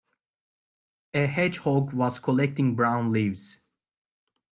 A hedgehog was collecting brown leaves.